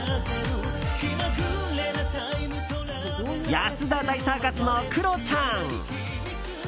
安田大サーカスのクロちゃん！